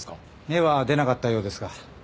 芽は出なかったようですが。